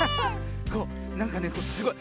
こうなんかねすごい